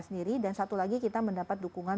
sendiri dan satu lagi kita mendapat dukungan